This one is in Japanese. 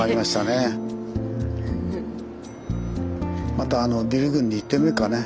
またあのビル群に行ってみるかね。